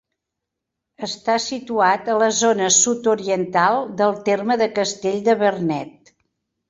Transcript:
Està situat a la zona sud-oriental del terme de Castell de Vernet.